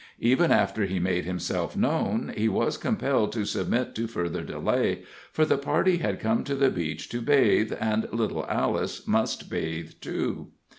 Even after he made himself known, he was compelled to submit to further delay, for the party had come to the beach to bathe, and little Alice must bathe, too.